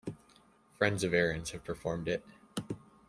Friends of Aarons have performed it.